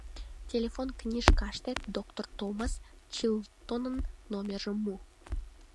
— Телефон книжкаште доктыр Томас Чилтонын номержым му.